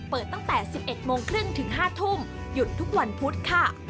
เปิดตั้งแต่๑๑โมงครึ่งถึง๕ทุ่มหยุดทุกวันพุธค่ะ